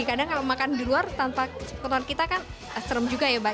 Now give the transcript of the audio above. kadang kalau makan di luar tanpa penonton kita kan serem juga ya mbak